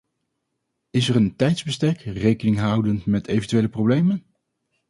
Is er een tijdsbestek, rekening houdend met eventuele problemen?